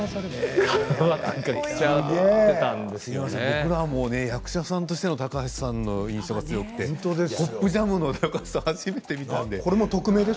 僕らも役者さんとしての高橋さんの印象が強くて「ポップジャム」の高橋さんは初めて見ました。